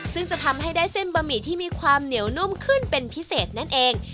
ซึ่งจะทำให้ได้เส้นบะหมี่ที่มีความเหนียวนุ่มขึ้นเป็นพิเศษนั่นเอง